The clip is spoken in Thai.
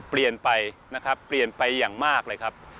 เปลี่ยนไปนะครับเปลี่ยนไปอย่างมากเลยครับ